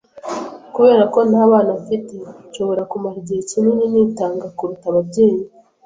Kubera ko nta bana mfite, nshobora kumara igihe kinini nitanga kuruta ababyeyi.